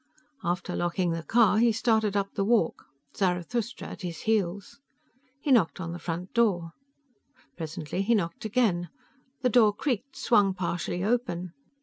After locking the car, he started up the walk, Zarathustra at his heels. He knocked on the front door. Presently he knocked again. The door creaked, swung partially open.